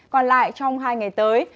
còn lại trong hai ngày tới